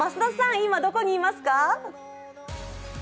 今どこにいますか？